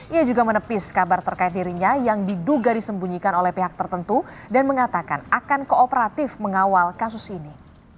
ia juga menepis kabar terkait dirinya yang diduga disembunyikan oleh pihak tertentu dan mengatakan akan kooperatif mengawal kasus ini